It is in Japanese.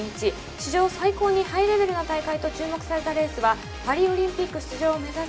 史上最高にハイレベルな大会と注目されたレースはパリオリンピック出場を目指す